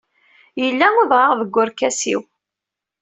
Yella udɣaɣ deg urkas-iw.